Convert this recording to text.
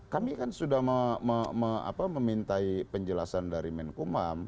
kami kan sudah memintai penjelasan dari menkumham